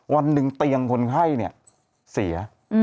วันหนึ่งเตียงคนไข้เสีย